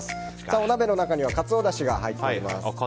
お鍋の中にはカツオだしが入っています。